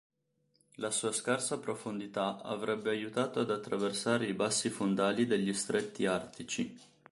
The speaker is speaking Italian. La sua scarsa profondità avrebbe aiutato ad attraversare i bassi fondali degli stretti artici.